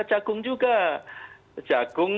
jagung juga jagung